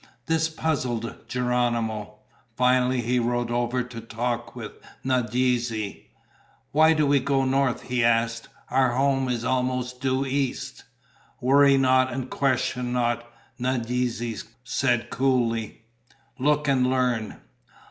This puzzled Geronimo. Finally he rode over to talk with Nadeze. "Why do we go north?" he asked. "Our home is almost due east." "Worry not and question not," Nadeze said coolly. "Look and learn."